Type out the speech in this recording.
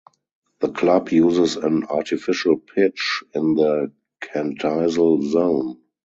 The club uses an artificial pitch in the Cantizal zone.